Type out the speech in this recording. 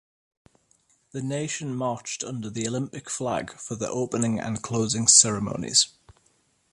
The nation marched under the Olympic Flag for the Opening and Closing Ceremonies.